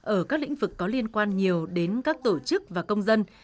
ở các lĩnh vực có liên quan nhiều đến các tổ chức và công dân